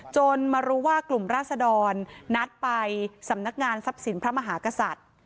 มารู้ว่ากลุ่มราศดรนัดไปสำนักงานทรัพย์สินพระมหากษัตริย์